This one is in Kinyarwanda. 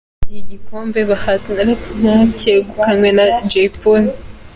Iki gihe igikombe bahataniraga cyegukanywe na Jay Polly.